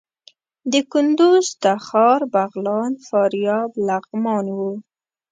د کندوز، تخار، بغلان، فاریاب، لغمان وو.